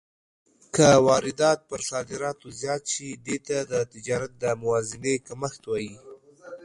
که واردات پر صادراتو زیات شي، دې ته د تجارت د موازنې کمښت وايي.